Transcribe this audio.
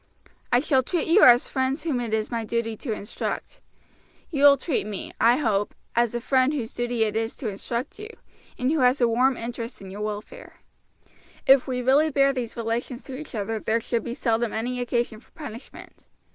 "I shall treat you as friends whom it is my duty to instruct. You will treat me, I hope, as a friend whose duty it is to instruct you, and who has a warm interest in your welfare; if we really bear these relations to each other there should be seldom any occasion for punishment.